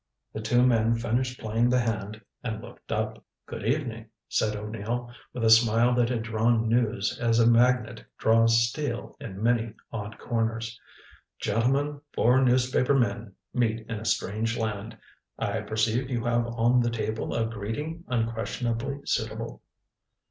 The two men finished playing the hand, and looked up. "Good evening," said O'Neill, with a smile that had drawn news as a magnet draws steel in many odd corners. "Gentlemen, four newspaper men meet in a strange land. I perceive you have on the table a greeting unquestionably suitable."